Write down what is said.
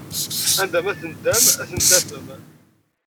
Anda ma teddam ad ten-tafem!